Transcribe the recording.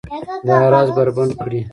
دا راز بربنډ کړي